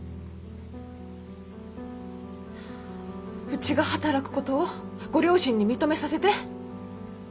うちが働くことをご両親に認めさせて。